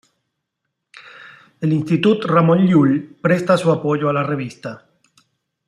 El Institut Ramon Llull presta su apoyo a la revista.